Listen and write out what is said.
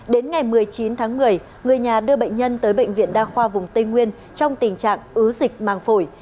đến ngày một mươi chín tháng một mươi người nhà đưa bệnh nhân tới bệnh viện đa khoa vùng tây nguyên trong tình trạng ứ dịch màng phổi